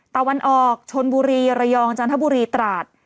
ตะวันออกชนบุรีระยองจันทบุรีตราด